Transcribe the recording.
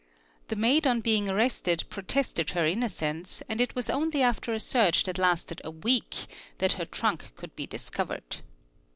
The maid on being arrested protested her innocence and at was only after a search that lasted a week that her trunk could be Ri discovered.